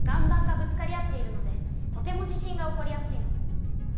ばんがぶつかり合っているのでとても地震が起こりやすいの。